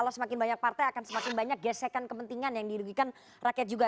kalau semakin banyak partai akan semakin banyak gesekan kepentingan yang dirugikan rakyat juga